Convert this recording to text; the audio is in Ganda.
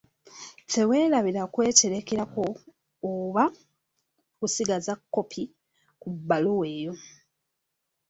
Teweerabira kweterekerako oba kusigaza 'kkopi', ku bbaluwa eyo.